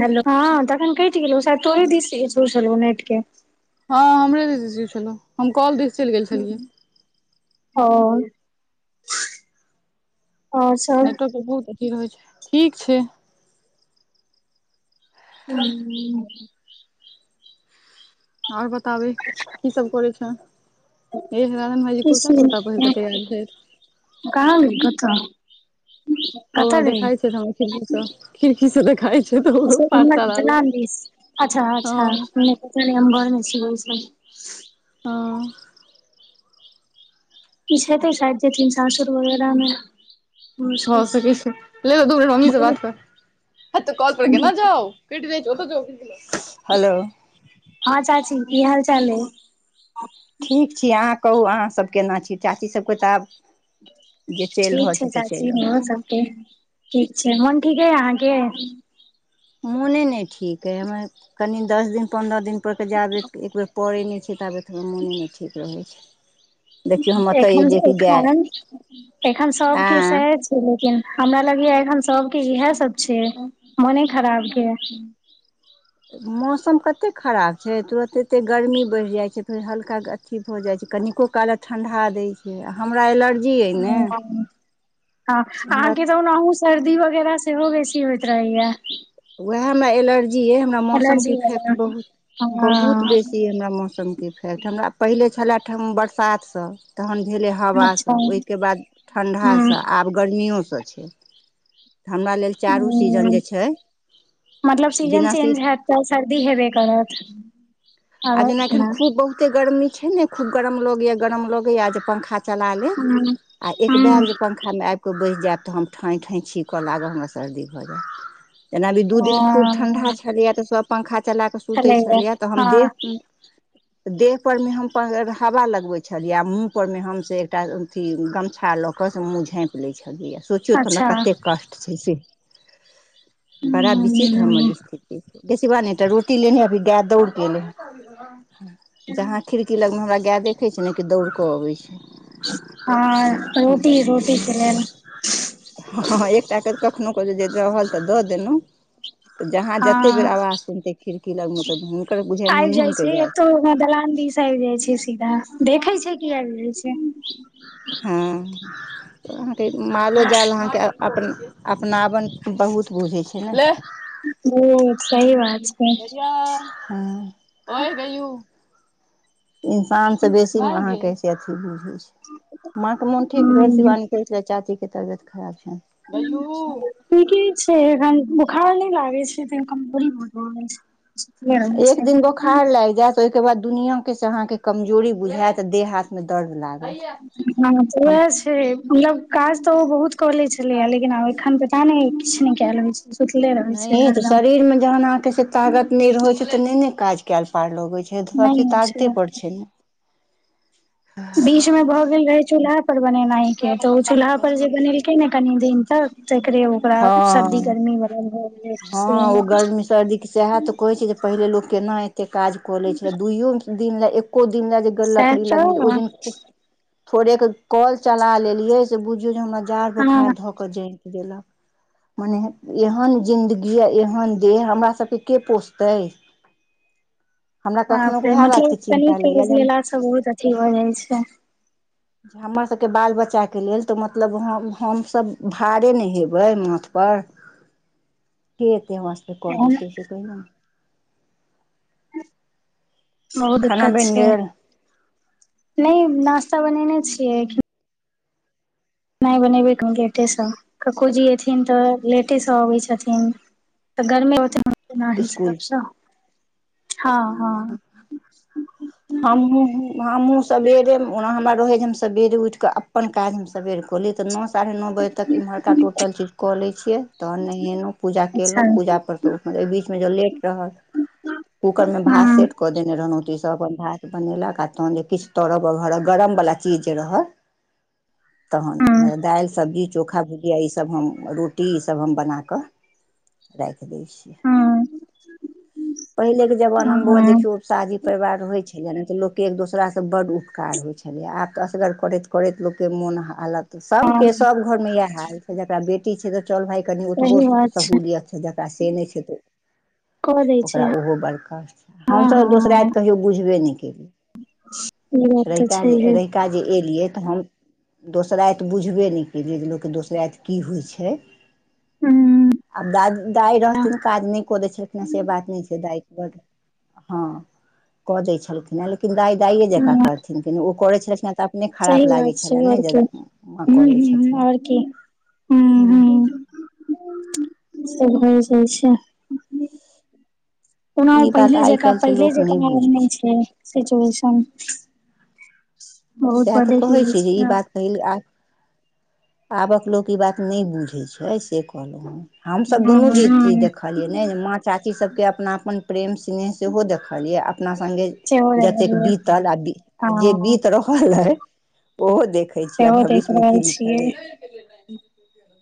hello हँ तखन कटि गेलौ सायद तोरे दिस इसु छलौ नेट के हँ हमरे दिस इसु छलौ हम कल दिस चलि गेल छलियै हँ नेटो के बहुत अथी रहै छै ठीक छै हू आओर बताबै की सब करै छें ए राजन भाईजी किछ कुर्ता तुर्ता पैहिर कऽ तैयार भेल कहां गै कतऽ हौआ कतऽ देखाई गेलही छैथिन खिड़की स खिड़की से देखाय छै अच्छा इमहर दलान दिस अच्छा अच्छा हँ हम घर मे बैसल छियै हँ किछ हेतौ सायद जेथिन सासुर वगैरह मे भ मुश्किल सकै छै ले दू मिनट मम्मी से बात कर हेतऽ कल पर केना जाउ हलो हँ चाची की हाल चाल अय ठीक छी अहाँ कहू अहाँसभ केना छी चाचीसभके तऽ आब जे चलि ठीक रहल छै से चलि चाची रहल छै हमरो सबके ठीक छै मन ठीक अई अहाँके मोने नय ठीक अइ हमरा कनि दस दिन पन्द्रह दिन पर कऽ जाबेत एकबेर पड़ै नय छै ताबे हमर मोन नय ठीक रहै छै देखियौ हम एतऽ एलियै कि गाय एन एखन [unintelligible] सब के आँय सेहै छै लेकिन हमरा लगै या एखन सबके इएह सब छै मोने खराब के मौसम कते खराब छै तुरत एते गर्मी बढ़ि जाइ छै हल्का अथी भऽ जाइ छै कनिको कालक ठण्डा दै छै हमरा एलर्जी अइ ने हमरा अनाहु सर्दी वगैरह सेहो बेसी होइत रहैया उहा हमरा एलर्जी अइ हमरा मौसम के एलर्जी वला इफैक्ट बहुत बहुत हँ बेसी हमरा मौसम के इफैक्ट हमरा पहिले छलए ठ बरसात सँ तहन भेलै अच्छा हवासँ हूँ ओहिके बाद ठण्डासँ आब गर्मियो सँ छै हमरा लेल चारू सीजन हूँ जे छै मतलब सीजन बिना सी चेंज हेयत तऽ सर्दी हेबे करत आ आरो जेना एखन ना खूब बहुते गर्मी छै ने खूब गरम लगैया गरम लगैया जे पंखा चला लेब हूँ आ एक बैग हूँ पंखा मे कोइ बसि जायब तऽ हम ठाँइ ठाँंइ छीकऽ लागब हमरा सर्दी भऽ जायत जेना आब दू दिन खूब हँ ठंडा छलैया तऽ सभ पंखा चला कऽ सुतै छलैया तऽ हम देह [inaudible] देह पर मे हम हवा लगबै छलियै आ मूँह पर मे हम से एकटा अथी गमछा लऽ कऽ से मुँह झाँपि लै छलियैया सोचियौ तऽ अच्छा हमरा कते कष्ट छै से बड़ा विचित्र हमर हूँ स्थिति गै शिवानी एक टा रोटी लेने अबही गाय दौड़के अयलै जहाँ खिड़की लग मे हमरा गाए देखै छै ने कि दौड़ कऽ अबै छै हं रोटी रोटी के लेल हँ एकटा कखनो क जे रहल तऽ दऽ देलौं तऽ जहाँ जते बेर हँ आवाज सुनतै खिड़की लग मे तऽ हुनकर बुझाइ मुन आबि मुन जाइ के छै गाय एतो छनि दलान आबि दिस जाइ छै सीधा देखै छै की आबि जाइ छै हूं अहाँके मालो जाल अहाँके अप अपनावन बहुत बुझै छै ने ओ सही बात छै गैआ हूं ओय गैयू इन्सान सँ बेसी अहाँके से अथी बुझै छै माँ के मोन ठीक भेल हूँ सिवानी कहै छलैया चाची के तबियत खराब छनि ठीके छै एखन बोखार नय लागै छै त कमजोरी बहुत भे छै सुतले रहै छै एक दिन बोखार लागि जेत तय के बाद दुनिया के से अहाँ के कमजोरी बुझायत देह हाथ मे दर्द लागत हँऽ हम उएह छै मतलब काज त ओऽ बहुत क लै छलैया लेकिन आब एखन पता नय किछ नय कलि होइ छै सुतले रहै छै हरदम ताकत नय रहै छै तऽ नय ने काज कायल पार लगै छै न नहि सबचीज होइ ताकते पर छै न बीच मे भऽ गेल रहे चूल्हा पर बनेनाइ के तऽ ओ चूल्हा पर जे बनेलकै ने कनी दिन तक तकरे ओकरा सर्दी हँ गर्मी आ सर्दीे सएह तऽ कहै छै जे पहिले लोक केना एते काज कऽ लै छलै दुइयो दिन ले एको दिन ले जे लकड़ी लग ओहि तऽ दिन थोड़े क कल चला लेलियै से बुझियौ जे हमरा जाड़ हँ बोखार धऽ के जति देलक मने एहन जिन्दगी आ एहन देह हमरा सबके के पोसतै हमरा कखनो क उएह बात के चिन्ता लैया जे हम सब बहुत अथी भ जाइ छै जे हमर सबके बाल बच्चा के लेल तऽ मतलब हमसब भारे नय हेबै माथ पर के अते हमरा सबके कऽ देतै से कहियौ न बहुत खाना दिक्कत बनि छै गेल नय नास्ता बनेने छियै खेनाय बनेबै कनी लेटेसँ क्कोजी एथिन तऽ लेटेसँ अबै छथिन तऽ गर्मे रहतै हमरा हिसाब स्कुल सँ हँ हँ ह हमहू हमहूँ सबेरे ओना हमरा रहै जे हम सबेरे उठि कऽ अपन काज हम सबेर कऽली तऽ न सवा साढ़े नओ बज तक एम्हरका टोटल चीज कऽ लै छियै तहन नहेलौं पूजा अच्छा केयलौं पूजा पर ओई बीच मे ज लेट रहल कूकर मे भात हँ सेट कऽ देने रहलौं तऽ ई सब अपन भात बनेलक आ तहन जे किछ तड़ब बघर गरमवला चीज जे रहल हँ तहन दालि सब्जी चोखा भूजि या ई सब हम रोटी ई सब हम बनाकऽ राखि दै छियै हँ पहिले के जबाना हँ मे हँ देखियौ शाझी परिवार होइ छलैया ने त लोक के एक दोसरा से बड उपकार होइ छलैया आब तऽ असगर करति करति लोक के मोन हालत तऽ सबके सब घरमे इएह हाल छै जकरा बेटी छै तऽ चल भाइ कनि ओतबो सही बात सहूलियत छै जकरा से नय छै तऽ ओ कऽ दै छै ओकरा ओहो बरकास हँ हमसभ तऽ हँ हँ दोसराति कहियो बुझबे नय ई बात केलीयै तऽ रहिका जे छैहे रहिका जे एलियै तऽ हम दोसराति बुझबे नय केलियै जे लोक के दोसराति की होइ छै हूँ आब दाद दाइ रहथिन नय कऽ दै छलना से बात नय छै दाय ब हँ कऽ दय छलखिन लेकिन दाइ दाइए जकरा हूँ करथिन किने ओ करै छलखिनँ तऽ अपने सही खराब लागै बात छै छलनि आओर ने जे की माँ हूं करै हूं छथिन आओर की हूं हूं सब होइ जाइ छै ओना ओ ई बात पहिले आइ जकाँ काल्हिके पहिले लोक जकाँ नहि आब बुझै नै छै सिचुएशन बहुत सएह तऽ कहै छी जे ई [unintelligible] बात पहिल आब आबक लोक ई बात नय बुझै छै से कहलौं हँ हम सभ दुनू हँ जी चीज हँ देखलियै नय माँ चाची सभके अपनापन प्रेम स्नेह सेहो देखलयै अपना संगे सेहो जतेक देखलियै बीतल आ आ जे हँ बीत [unintelligible] ओहो देखै छी आ सेहो देख भविष्य मे रहल की छियै लिखल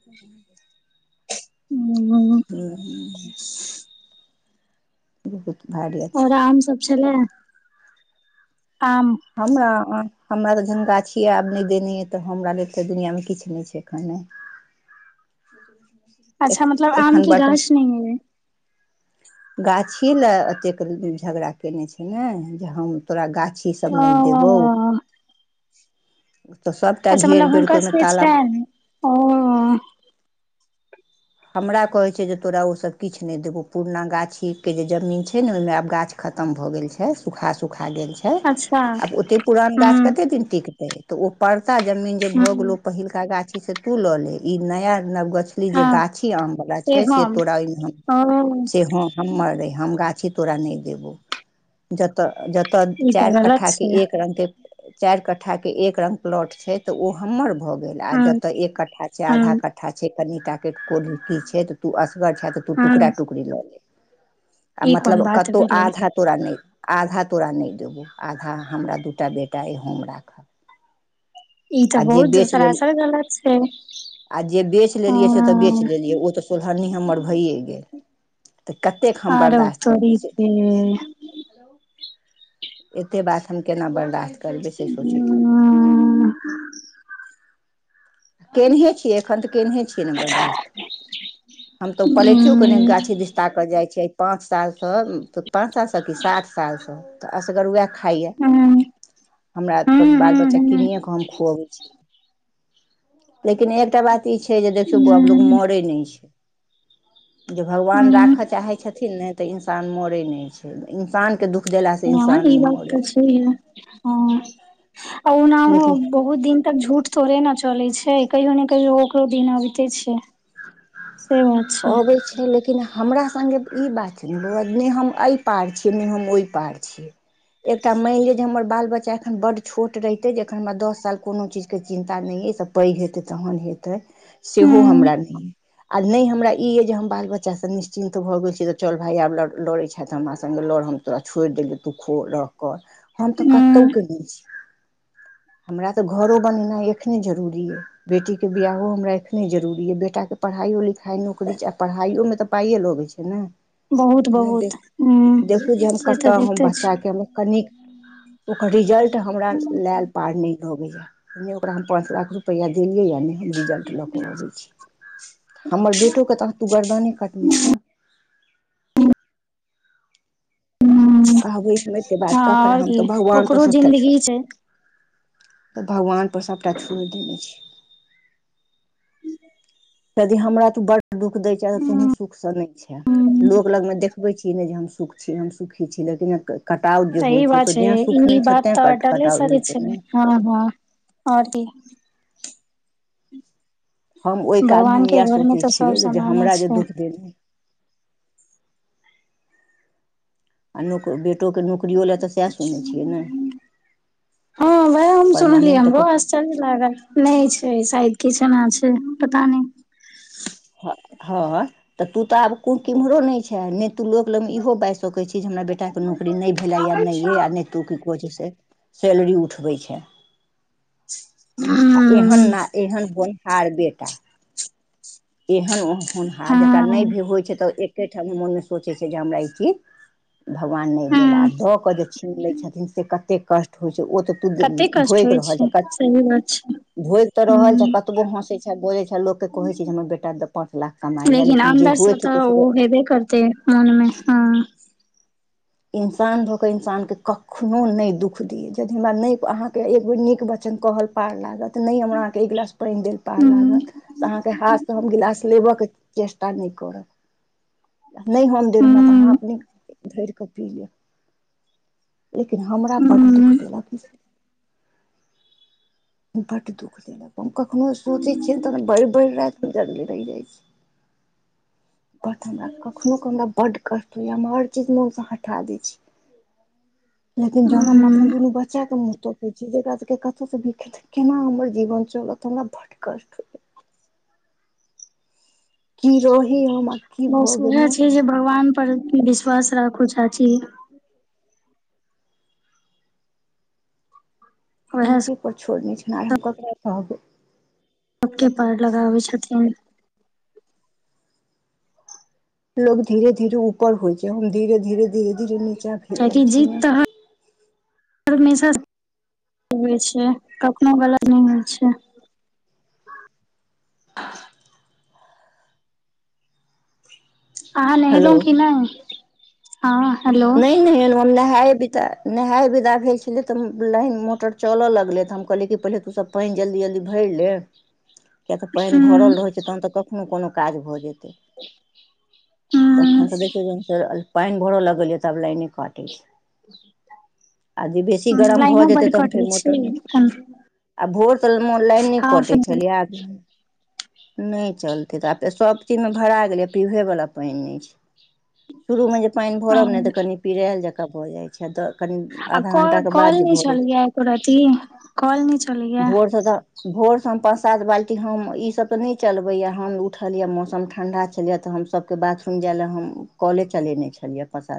[inaudible] हूं बहुत भारिया आओर आम सब छेलै आम हमरा हमरा तऽ जहन गाछिय आब नय देने यइ तऽ हमरा लेल तऽ दुनियां मे किछ नय छै एखन अच्छा मतलब आम एखन की बर्तन गाछ नय यै गाछिए लए एतेक झगड़ा केने छै ने जे हम तोरा गाछी सभ ओ नय देबौ तऽ सभटा अच्छा मतलब घेर बेर हुनकर कऽ ओहिमे सबके ताला छनि ओ हमरा कहै छै जे तोरा ओ सब किछ नय देबौ पुरना गाछी के जे जमीन छै ने ओहिमे आब गाछ खतम भए गेल छै सुखा सुखा गेल छै छै अच्छा आब ओते पूरान गाछ हूँ कते दिन टिकतै ओ परता जमिन जे भ हूँ गेलो पहिलका गाछी से तू लऽ ले ई नया नव गछली जे हँ गाछ छि आम वला छै से तोरा ओहिमे ओ से ह हम्मर ऐ हम गाछी तोरा नय देबौ जतऽ जत त ई तऽ चारि गलत कट्ठा के छै एक रंग के चारि कट्ठा के एक रंग प्लॉट छै तऽ ओ हमर भए गेल आ हूँ जताए एक कठ्ठा छै आधा हूँ कट्ठा छै कनिटा के को की छै तऽ तू असगर छह तू टुकड़ हूँ टुकड़ी लऽ ले आ ई कोन मतलब बात कतौ भेलै आधा आधा तोरा नय आधा तोरा नय देबौ आधा हमरा दूटा बेटा अई हम राखब ई तऽ आ जे बहुत बेच लेलिय सरासर गलत छै आ जे बेच लेलियै से त तऽ बेच हँ लेलियै ओ तऽ सोलहनी हमर भइए गेल तऽ कतेक हम आरो बर्दाश्त करबय तोरी से के एते बात हम केना बर्दाश्त करबै से सोचियौ हूँ हूँ केनहे छियै एखन तऽ केनहे छियै ने बर्दास्त हम तऽ पलैटियो क ने हूँ गाछी दिश ताकऽ जाइ छियै आई पाँच सालसँ पाँच सालसँ कि सात सालसँ तऽ असगरूवा खाइया हूँ हमरा त बाल बच्चा हूँ किनिये कऽ हम खुअबै छी लेकिन एकटा बात ई छै जे देखियौ गप लोक हूँ मरै नय छै जे भगवान हूँ राखय चाहै छथिन ने तऽ इंसान मरै नय छै इंसान हं ई बात तऽ छै हे हँ अउनाहू लेकिन बहुत दिन तक झूठ थोरे न चलै छै कहियो ने कहियो ओकरो दिन अबिते छै से बात छै अबै छै लेकिन हमरा संगे त ई बात छै बात ने हम एहि पार छियै ने हम ओहि पार छियै एकटा मानि लिअ जे हमर बाल बच्चा एखन बड्ड छोट रहितै जे एखन हमरा दस साल कोनो चीजके चिन्ता नय अइ से पैघ हेतै तहन हेतै सेहो हूँ हमरा नय अई आ नय हमरा ई अइ जे हम बाल बच्चासँ निश्चिन्त भऽ गेल छी तऽ चल भाइ आब लड़ै छें त हमरा सङ्गे लड़ तोरा छोड़ि देलौ तू खो रह कर हम तऽ कतौ हूँ के नै छी हमरा तऽ घरो बनेनाइ एखने जरूरी अइ बेटी के बियाहो हमरा एखने जरूरी यइ बेटा के पढ़ाइो लिखाई पाइ नौकरी आ पढ़ाइयोमे तऽ पाइए लगै छै ने बहुत जे ह देख बहुत हूँ देखू जे हम से कत तऽ हु हम होइते छै बच्चा के कनिक ओकर रिजल्ट हमरा हूँ लायल पार नय लगैया नय ओकरा हम पाँच लाख रुपैआ देलियैए नय हम रिजल्ट लऽ कऽ अबै छी [inaudible] हमर बेटो के त तू गर्दने कटने छें हँ कहबै हम एते बात ककरा आओर हम की तऽ भगवानपर ओकरो सबटा छोईर जिन्दगी छै तऽ भगवान पर सभटा छोड़ि देने छीयै ह [inaudible] यदि हमरा तू बड़ दुःख दैय छें तोहूं हूँ सुख से नय छें लोग लगं मे देख बै छी नय जे हम सुख छी हम सुखी छी लेकिन कटाउ जे होइ सही छौ बात तऽ छै जें सुख ई नय छौ बात तें तऽ कट अटले कटाउ सत्य होइ छौ छै ने हँ हँ आओर कहियौ हम ओहि कालमे भगवान के घर मे तऽ सब सामाने छै दे [unintelligible] आ ने कोई बेटोके नोकरियो लए तऽ सएह सुनै छियै ने हँ वएह हम सुनलियै परमानेंट तऽ हमरो कखनो आश्चर्य लागल नय छै शायद किछना छै पता नय हँ ह तऽ तूतऽ आब कु कीम्हरो नय छे ने नय तू लोक लग इहो बाईज सकै छी जे हमरा बेटा के नौकरी नय भेलैया आबै नय छौ अइ आओर नय तू की कहै छै से सैलरी उठबै छें आ हूँ एहन न एहन होनहार बेटा एहन होनहार जकरा हँ नय भी होइ छै तऽ एके ठाम मोन मे सोचै छै जे हमरा ई चीज भगवान नय देलआ हूँ दऽ कऽ जे छीन लै छथिन से कतेक कष्ट होइ छै ओ तऽ कते कष्ट भोएग होइ रह छै ज [unintelligible] कर सही बात छै भोईग त रहल छे हूँ कतबो हँसे छे बोजे छे लोक के कहे छे हमर बेटा त पाँच लाख कमाइया लेकिन जे अन्दर से होईत तऽ ओ हेबे करतै मन मे हं ईन्सान भ क ईनसान के कखनो नय दुःख दियए यदि हमरा ने अहाँ के एक बेर नीक वचन कहल पार लागत नय हमरा अहाँ के एक गिलास पनि देल पार हूँ लागत त अहाँ के हाथ सँ हम गिलास लेबऽ के चेष्टा नय करब नय हम देलौं हेँ त अहाँ हूँ अपने धरि क पी लिय लेकिन हमरा बड दुख हूँ देलक ई बड दुःख देलक कखनो सोचे छियै ने तहन बरि बेरि रायत जागले रहि जाइ छी बड हमरा कखनो के हमरा बड कष्ट होईया हम हर चीज मे पठा दै छी लेकिन जहन हूँ अपन दुनू बच्चा के मुँह तकै छी जेकरा सब के कतो से केना हमर जीवन चलत हमरा बड कष्ट हो की रही हमर बस उएह छे जे भगवान पर विश्वास राखु चाची उएह हुनके पर छोड़ने छी‌ आर हम ककरा कहबै ओ सब के पाड़ लगाबै छथिन लोक धीेरे धीेरे ऊपर होइ छे हम धीेरे धीेरे धीेरे काकि जीत त अहां हमेशा होई छै कखनो गलत ने होइ छै आह अहाँ हेलो नहेलौं की नई हां हेलो नहि नहि हम नहेये बिदा नहेये बिदा भेल छलियै त लाइन मोटर चलऽ लगलै त हम कहलिये कि पहिले तू सब पनि जल्दी जल्दी भरि ले किए त पनि हूँ भरल रहै छै तहन त कखनो कोनो काज भ जेतै तखन हूँ देखियो जेहन पनि भर लगल य तब लाइने काटै छै आ जे बेसी गरम भ लाइनो जेतै बड तहन फेर कटै मोटर छै ने हँ आ भोर सऽ ईमहर लाइन ने कटै छलैया नै चलतै त आब तऽ सभ चीज मे भरा गेलै पीबहे वाला पनि नय छै शुरू मे जे पनि भरब ने हँ, त कनि पिरेऽल जकाँ भ जाय अच्छा त कनि आ आधा घंटा कॉल के कॉल बाद जे नहि भरै छलैया एको रती कॉल नहि छलैया भोर से त भोर सऽ हम पाँच सात बाल्टी हम ईसभ त ने चलबैया हम उठलीये मौसम ठंडा छेलैया त हमसब बाथरूम जाइ लए हम कले चलेने छलिये पसा